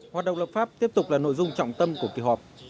hoạt động lập pháp tiếp tục là nội dung trọng tâm của kỳ họp